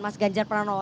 mas ganjar pranowo